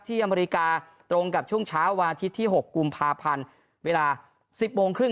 ที่อเมริกาตรงกับช่วงเช้าวาทิตย์ที่หกกุ่มพาพันธุ์เวลาสิบโมงครึ่ง